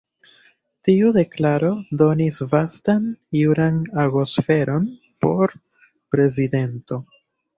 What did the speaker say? Tiu deklaro donis vastan juran agosferon por prezidento..